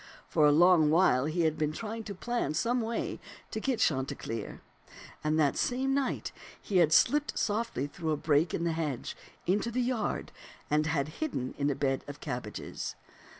For a long while he had been trying to plan some way to get Chanticleer; and that same night he had slipped softly through a break in the hedge into the yard and had hidden in a bed of cabbages.